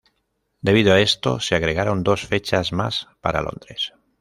Debido a esto, se agregaron dos fechas más para Londres.